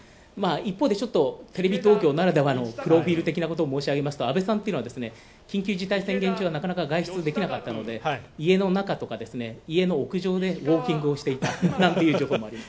一方で、テレビ東京ならではのプロフィール的なものを申し上げますと、安倍さんというのは緊急事態宣言中には家の中や家の外でウォーキングをしていたなんていう情報もあります。